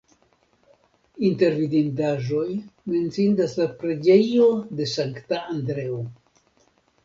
Inter vidindaĵoj menciindas la preĝejo de Sankta Andreo.